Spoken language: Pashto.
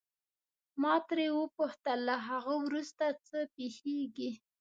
ما ترې وپوښتل له هغه وروسته څه پېښیږي.